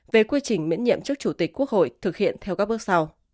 về quy trình miễn nhiệm chức chủ tịch quốc hội thực hiện theo các bước sau